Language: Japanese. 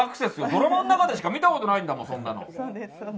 ドラマの中でしか見たことないもん。